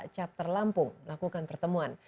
chapter lampung melakukan pertemuan